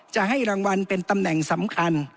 จะให้รางวัลเป็นตำแหน่งสำคัญ